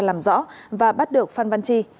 làm rõ và bắt được phan văn chi